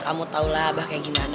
kamu tahulah abah kayak gini gini